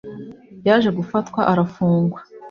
yaje gufatwa arafungwa